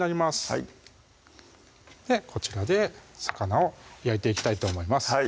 はいこちらで魚を焼いていきたいと思います